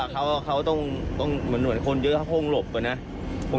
ครับเจ้าจริงเจ้าจริงจริงหรือไม่จริง